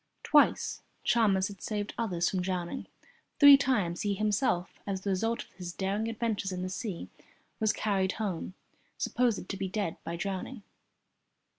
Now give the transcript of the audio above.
Twice Chalmers had saved others from drowning. Three times he himself, as the result of his daring adventures in the sea, was carried home, supposed to be dead by drowning.